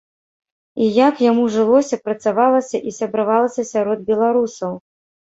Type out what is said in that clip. І як яму жылося, працавалася і сябравалася сярод беларусаў?